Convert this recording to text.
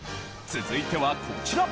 続いてはこちら。